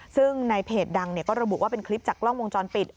ซึ่งในเพจดังก็ระบุว่าเป็นคลิปจากกล้องวงจรปิด